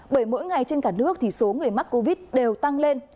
bởi mỗi ngày trên cả nước thì số người mắc covid đều tăng lên